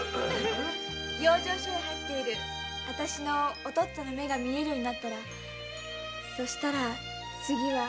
養生所に入ってるおとっつぁんの目が見えるようになったらそしたら次は。